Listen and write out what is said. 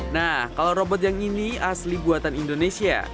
nah kalau robot yang ini asli buatan indonesia